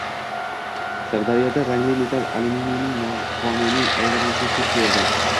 Sirdaryoda rangli metall – alyuminiyning noqonuniy aylanmasiga chek qo‘yildi